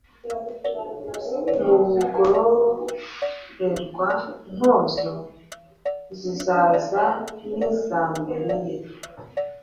Mu Bugororerwa-ntozo, zizaza n'iza mbere ye,